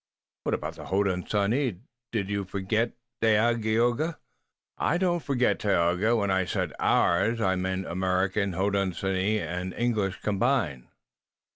"What about the Hodenosaunee? Do you too forget, Dagaeoga?" "I don't forget, Tayoga. When I said 'ours' I meant American, Hodenosaunee and English combined.